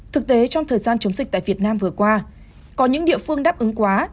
thực tế trong thời gian chống dịch tại việt nam vừa qua có những địa phương đáp ứng quá